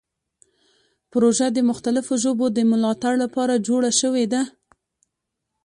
پروژه د مختلفو ژبو د ملاتړ لپاره جوړه شوې ده.